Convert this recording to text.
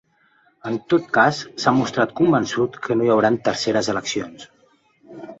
En tot cas s’ha mostrat convençut que no hi haurà terceres eleccions.